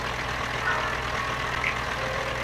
该组织谋求通过武装斗争来建立自治政府。